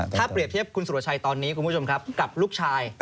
ถ้าเปรียบเทียบคุณสุรชัยตอนนี้คุณผู้ชมครับกับลูกชาย